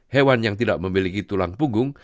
hewan yang tidak memiliki tulang punggung